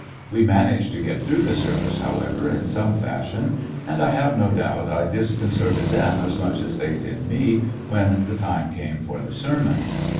We managed to get through the service, 6 'fj/lissionary in tge Great West however^ in some fashion^ and I have no doubt I disconcerted them as much as they did me when the time came for the sermon.